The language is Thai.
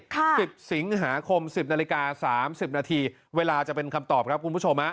สิบสิงหาคมสิบนาฬิกาสามสิบนาทีเวลาจะเป็นคำตอบครับคุณผู้ชมฮะ